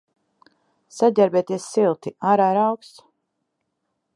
Saģērbieties silti, ārā ir auksts.